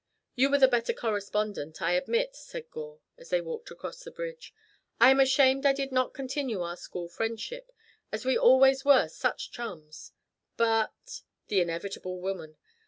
"You were the better correspondent, I admit," said Gore, as they walked across the bridge. "I am ashamed I did not continue our school friendship, as we always were such chums, but " "The inevitable woman.